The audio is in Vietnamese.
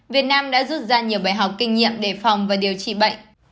việt nam đã rút ra nhiều bài học kinh nghiệm để phòng và điều trị bệnh